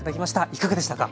いかがでしたか？